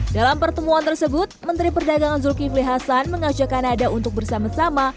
dalam pertemuan tersebut menteri perdagangan zulkifli hasan mengajak kanada untuk bersama sama